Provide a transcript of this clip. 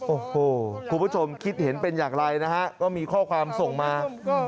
โอ้โหคุณผู้ชมคิดเห็นเป็นอย่างไรนะฮะก็มีข้อความส่งมา